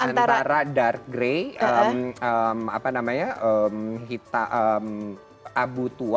antara dark grey apa namanya hitam abu tua